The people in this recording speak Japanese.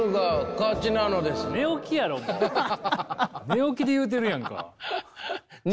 寝起きで言うてるやんか。